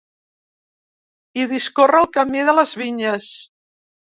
Hi discorre el Camí de les Vinyes.